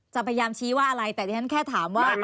พยายามชี้ว่าอะไรแต่ดิฉันแค่ถามว่า